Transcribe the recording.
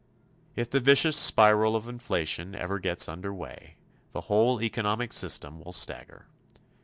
If the vicious spiral of inflation ever gets under way, the whole economic system will stagger.